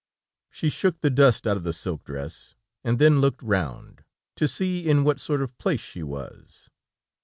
She shook the dust out of the silk dress, and then looked round, to see in what sort of a place she was.